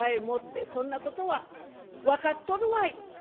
「そんなことは分かっとるわい！」。